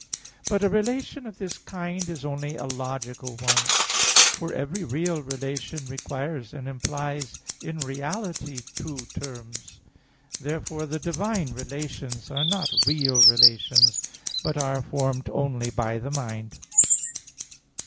But a relation of this kind is only a logical one; for every real relation requires and implies in reality two terms. Therefore the divine relations are not real relations, but are formed only by the mind.